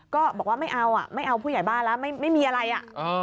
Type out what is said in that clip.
ก็บอกว่าไม่เอาอ่ะไม่เอาผู้ใหญ่บ้านแล้วไม่มีอะไรอ่ะ